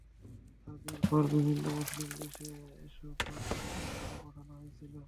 হজের পরে বিভিন্ন মুসলিম দেশে এসব মাংস বিতরণের জন্য পাঠানো হয়েছিল।